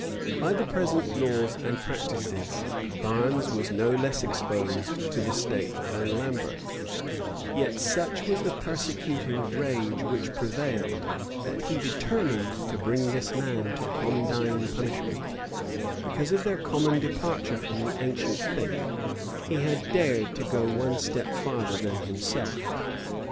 * Fox, vol. ii. p. 396. By the present laws and practice Barnes was no less exposed to the stake than Lambert; yet such was the persecuting rage which prevailed, that he determined to bring this man to condign punishment; because of their common departure from the ancient faith, he had dared to go one step farther than himself.